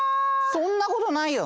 そんなことないよ。